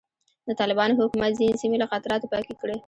د طالبانو حکومت ځینې سیمې له خطراتو پاکې کړې.